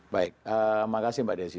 baik terima kasih mbak desi